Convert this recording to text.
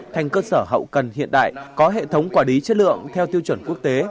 thành cơ sở hậu cần hiện đại có hệ thống quả đí chất lượng theo tiêu chuẩn quốc tế